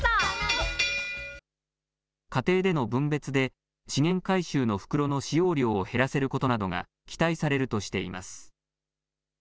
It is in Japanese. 家庭での分別で資源回収の袋の使用量を減らせることなどが期待されるとしています。